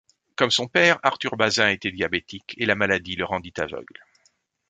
Comme son père, Arthur Bazin était diabétique et la maladie le rendit aveugle.